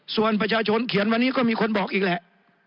ส่วนประชาชนเขียนวันนี้ก็มีคนบอกอีกแหละ